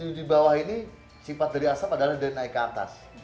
di bawah ini sifat dari asap adalah dari naik ke atas